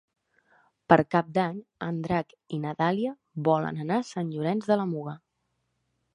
Per Cap d'Any en Drac i na Dàlia volen anar a Sant Llorenç de la Muga.